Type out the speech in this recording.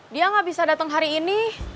dia gak bisa datang hari ini